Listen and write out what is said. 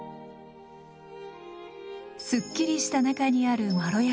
すっきりした中にあるまろやかさ。